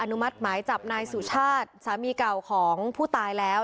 นุมัติหมายจับนายสุชาติสามีเก่าของผู้ตายแล้ว